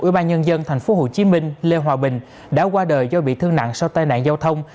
ủy ban nhân dân tp hcm lê hòa bình đã qua đời do bị thương nặng sau tai nạn giao thông